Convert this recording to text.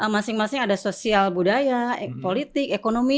masing masing ada sosial budaya politik ekonomi